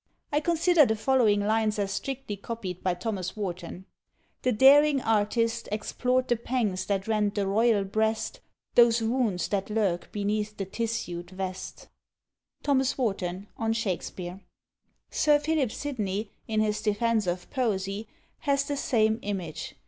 I consider the following lines as strictly copied by Thomas Warton: The daring artist Explored the pangs that rend the royal breast, Those wounds that lurk beneath the tissued vest. T. WARTON on Shakspeare. Sir Philip Sidney, in his "Defence of Poesie," has the same image.